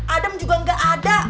adam juga gak ada